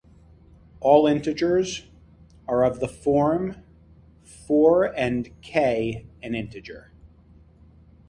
All integers are of the form for and "k" an integer.